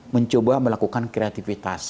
mencoba melakukan kreativitas